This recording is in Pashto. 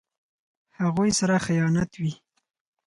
هغوی سره خیانت وي.